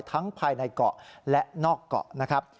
ภายในเกาะและนอกเกาะนะครับ